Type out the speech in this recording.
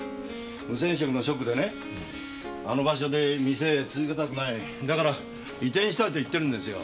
無銭飲食のショックであの場所で店続けたくないだから移転したいと言ってるんですよ。